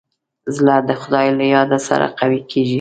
زړه د خدای له یاد سره قوي کېږي.